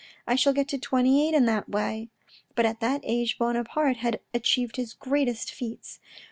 I shall get to twenty eight in that way ! But at that age Bonaparte had achieved his greatest feats.